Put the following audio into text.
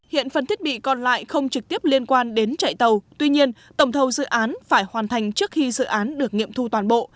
hiện phần thiết bị còn lại không trực tiếp liên quan đến chạy tàu tuy nhiên tổng thầu dự án phải hoàn thành trước khi dự án được nghiệm thu toàn bộ